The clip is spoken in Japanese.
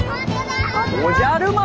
おじゃる丸？